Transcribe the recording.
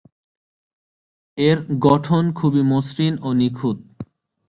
এর গঠন খুবই মসৃণ ও নিখুঁত।